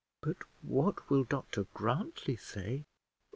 "But what will Dr Grantly say?"